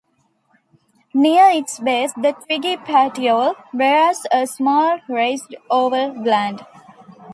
Near its base, the twiggy petiole bares a small, raised, oval gland.